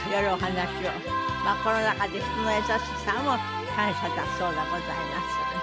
コロナ禍で人の優しさも感謝だそうでございます。